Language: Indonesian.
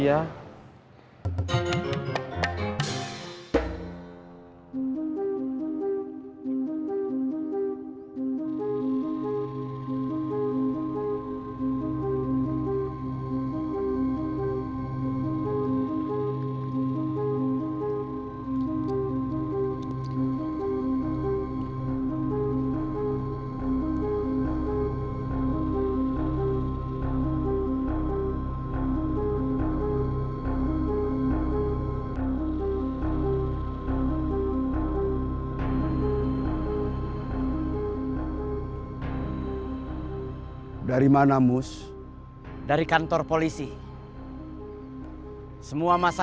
ada seorang tokong muka ya